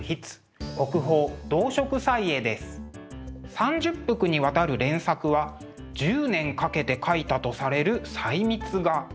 ３０幅にわたる連作は１０年かけて描いたとされる細密画。